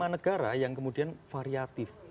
lima negara yang kemudian variatif